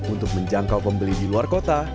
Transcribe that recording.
untuk menjangkau pembeli di luar kota